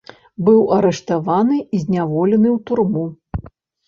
Быў арыштаваны і зняволены ў турму.